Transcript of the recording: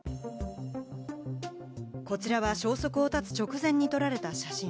こちらは消息を絶つ直前に撮られた写真。